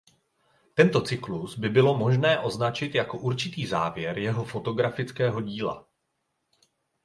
Tento cyklus by bylo možné označit jako určitý závěr jeho fotografického díla.